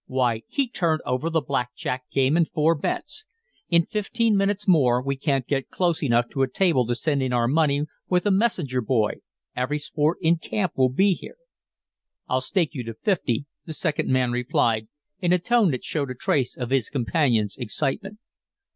Why, he turned over the Black Jack game in four bets. In fifteen minutes more we can't get close enough to a table to send in our money with a messenger boy every sport in camp will be here." "I'll stake you to fifty," the second man replied, in a tone that showed a trace of his companion's excitement.